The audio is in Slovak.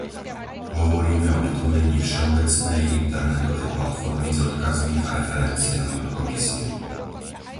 Hovoríme o vytvorení všeobecnej internetovej platformy s odkazmi a referenciami od Komisie.